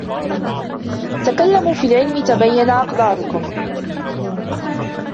تَكَلَّمُوا فِى الْعِلْمِ تَبَیَّنَ أَقْدارُكُمْ.